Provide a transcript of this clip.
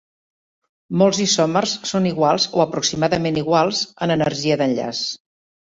Molts isòmers són iguals o aproximadament iguals en energia d'enllaç.